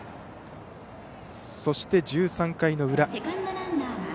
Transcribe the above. そして１３回の裏。